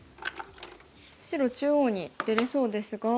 白中央に出れそうですが。